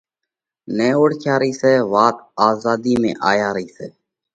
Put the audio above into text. نئہ اوۯکيا رئِي سئہ! وات آزاڌِي ۾ آيا رئِي سئہ!